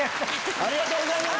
ありがとうございます。